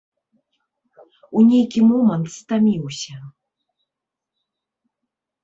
У нейкі момант стаміўся.